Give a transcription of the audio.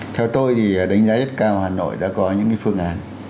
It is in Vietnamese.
theo tôi thì đánh giá rất cao hà nội đã có những phương án